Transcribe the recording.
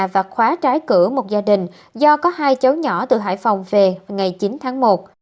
và khóa trái cửa một gia đình do có hai cháu nhỏ từ hải phòng về ngày chín tháng một